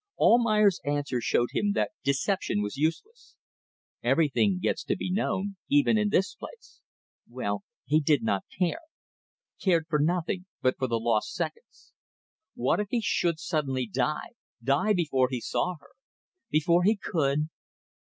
... Almayer's answer showed him that deception was useless. Everything gets to be known, even in this place. Well, he did not care. Cared for nothing but for the lost seconds. What if he should suddenly die. Die before he saw her. Before he could